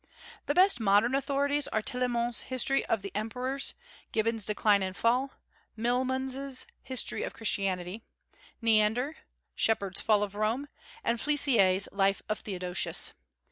The best modern authorities are Tillemont's History of the Emperors; Gibbon's Decline and Fall; Milmans's History of Christianity; Neander; Sheppard's Fall of Rome; and Flécier's Life of Theodosius.